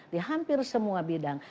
di hampir semua bidang